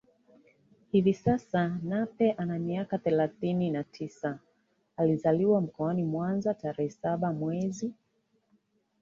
Hivi sasa Nape ana miaka thelathini na tisa alizaliwa mkoani Mwanza tarehe saba mwezi